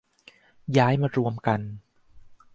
ย้ายมารวมกัน